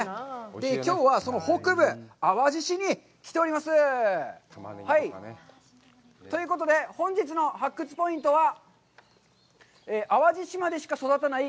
きょうはその北部、淡路市に来ています！ということで、本日の発掘ポイントは、「淡路島でしか育たない！？